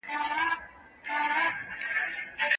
په کومه طریقه د کار مینه انسان د ستړیا څخه ساتي؟